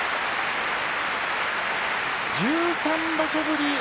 １３場所ぶり